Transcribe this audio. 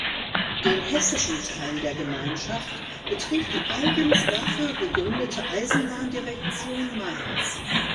Den hessischen Teil der Gemeinschaft betrieb die eigens dafür gegründete Eisenbahndirektion Mainz.